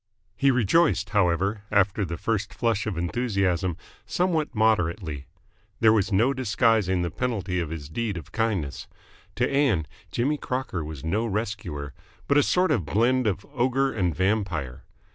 He rejoiced, however, after the first flush of enthusiasm, somewhat moderately. There was no disguising the penalty of his deed of kindness. To Ann Jimmy Crocker was no rescuer, but a sort of blend of ogre and vampire.